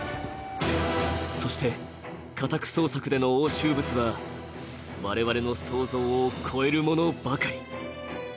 そして家宅捜索での押収物は我々の想像を超えるものばかり。